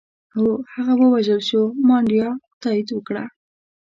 هو، هغه ووژل شو، مانیرا تایید وکړه.